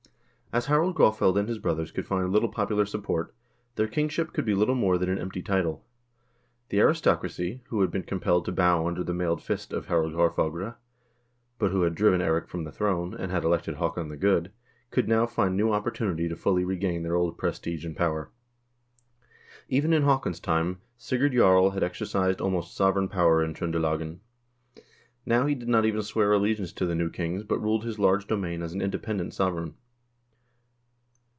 As Harald Graafeld and his brothers could find little popular support, their kingship could be little more than an empty title. The aristocracy, who had been compelled to bow under the mailed fist of Harald Haarfagre, but who had driven Eirik from the throne, and had elected Haakon the Good, could now find new opportunity to fully regain their old prestige and power. Even in Haakon's time, Sigurd Jarl had exercised almost sovereign power in Tr0ndelagen. Now he did not even swear allegiance to the new kings, but ruled his large domain as an inde pendent sovereign.